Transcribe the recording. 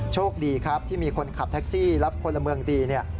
โชคดีครับที่มีคนขับแท็กซี่และพลเมืองดีเนี่ย